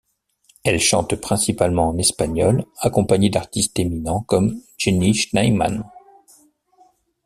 Elle chante principalement en espagnol accompagnée d'artistes éminents comme Jenny Scheinman.